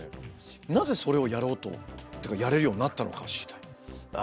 なぜそれをやろうとというかやれるようになったのかを知りたい。